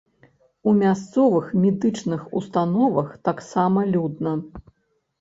У мясцовых медычных установах таксама людна.